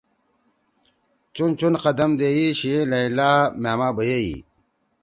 چُون چُون قدم دیئی شیِئے لیلٰی مھأما بیَئی